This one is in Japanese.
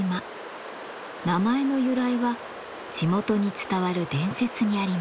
名前の由来は地元に伝わる伝説にあります。